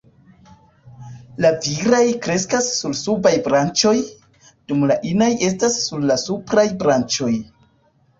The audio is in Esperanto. La viraj kreskas sur subaj branĉoj, dum la inaj estas sur la supraj branĉoj.